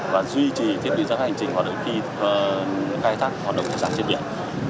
và duy trì thiết bị giám sát hành trình hoạt động khi khai thác hoạt động trang bình việt nam